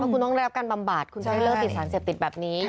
คุณต้องได้รับการบำบัดคุณจะได้เลิกติดสารเสพติดแบบนี้